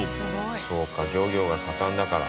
そうか漁業が盛んだから。